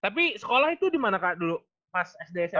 tapi sekolah itu dimana kak dulu pas sdsm ya